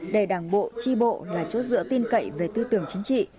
để đảng bộ tri bộ là chốt dựa tin cậy về tư tưởng chính trị